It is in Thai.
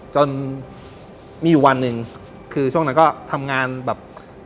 จนมีอยู่วันหนึ่งคือช่วงนั้นก็ทำงานแบบ